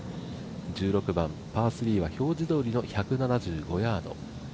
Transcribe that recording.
１６番、パー３は表示どおりの１７５ヤード。